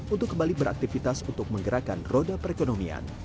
untuk kembali beraktivitas untuk menggerakkan roda perekonomian